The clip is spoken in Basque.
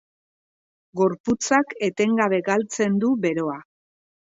Gorputzak etengabe galtzen du beroa.